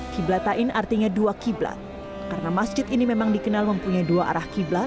qiblatain artinya dua qiblat karena masjid ini memang dikenal mempunyai dua arah qiblat